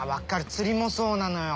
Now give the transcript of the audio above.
釣りもそうなのよ。